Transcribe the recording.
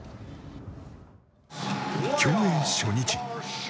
競泳初日。